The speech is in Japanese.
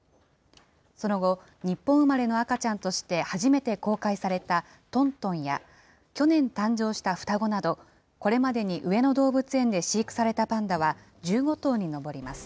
その後、日本生まれの赤ちゃんとして初めて公開されたトントンや、去年誕生した双子など、これまでに上野動物園で飼育されたパンダは１５頭に上ります。